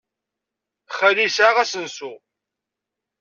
Xali yesɛa asensu.